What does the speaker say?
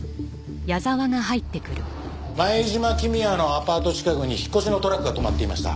前島公也のアパート近くに引っ越しのトラックが止まっていました。